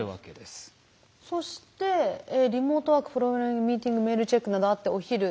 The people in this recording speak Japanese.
そしてリモートワークプログラミングミーティングメールチェックなどあってお昼。